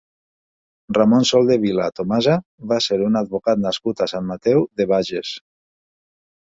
Ramon Soldevila Tomasa va ser un advocat nascut a Sant Mateu de Bages.